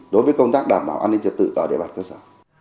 đối với công tác đảm bảo an ninh trật tự ở địa bàn cơ sở